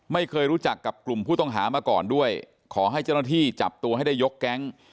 ไม่เคยรู้จักกับกลุ่มผู้ต้องหามาก่อนด้วยขอให้เจ้าหน้าที่จับตัวให้ได้ยกแก๊ง